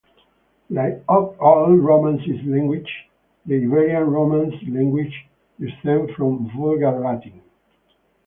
Like all Romance languages, the Iberian Romance languages descend from Vulgar Latin.